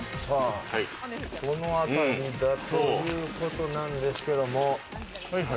このあたりだということなんですけども。